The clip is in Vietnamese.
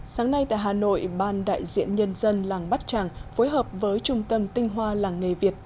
sáng nay tại hà nội ban đại diện nhân dân làng bát tràng phối hợp với trung tâm tinh hoa làng nghề việt